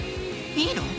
いいの？